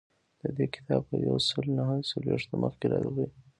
د دې کتاب په یو سل نهه څلویښتم مخ راغلی.